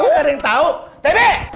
oh gak ada yang tau tb